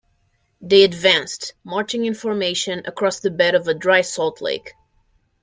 They advanced, marching in formation, across the bed of a dry salt lake.